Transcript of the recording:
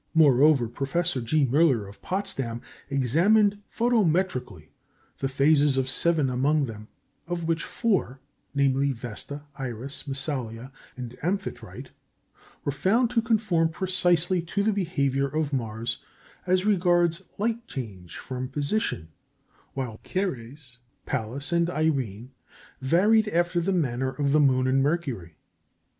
Moreover, Professor G. Müller of Potsdam examined photometrically the phases of seven among them, of which four namely, Vesta, Iris, Massalia, and Amphitrite were found to conform precisely to the behaviour of Mars as regards light change from position, while Ceres, Pallas, and Irene varied after the manner of the moon and Mercury.